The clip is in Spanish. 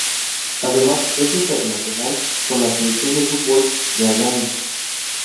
Además, es internacional con la selección de fútbol de Albania.